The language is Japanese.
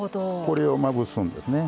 これをまぶすんですね。